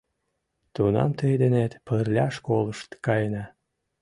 Тунам тый денет пырля школыш каена.